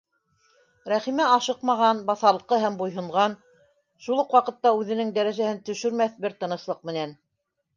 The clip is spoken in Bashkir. Рәхимә ашыҡмаған, баҫалҡы һәм буйһонған, шул уҡ ваҡытта үҙенең дәрәжәһен төшөрмәҫ бер тыныслыҡ менән: